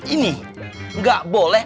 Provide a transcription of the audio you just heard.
ini gak boleh